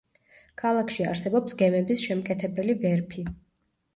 ქალაქში არსებობს გემების შემკეთებელი ვერფი.